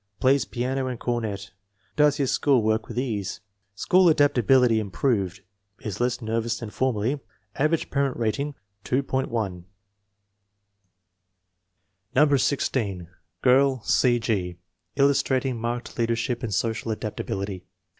Plays piano and cornet. Does his school work with ease. School adaptability improved. Is less nervous than formerly. Average parent rating, 2.10. No. 16. Girl: C. 0. fflustrating marked leader ship and social adaptability.